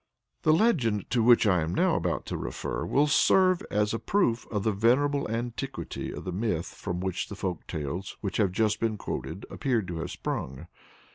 The legend to which I am now about to refer will serve as a proof of the venerable antiquity of the myth from which the folk tales, which have just been quoted, appear to have sprung.